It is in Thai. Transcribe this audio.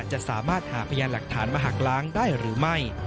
จะสามารถหาพยานหลักฐานมาหักล้างได้หรือไม่